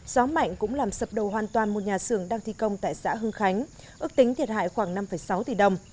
gió mạnh cũng làm sập đầu hoàn toàn một nhà xưởng đang thi công tại xã hưng khánh ước tính thiệt hại khoảng năm sáu tỷ đồng